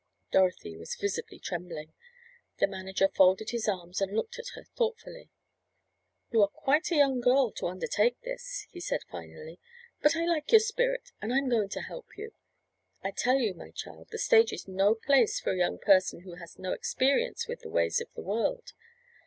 Dorothy was visibly trembling. The manager folded his arms and looked at her thoughtfully. "You're quite a young girl to undertake this," he said finally. "But I like your spirit, and I'm going to help you. I tell you, my child, the stage is no place for a young person who has had no experience with the ways of the world.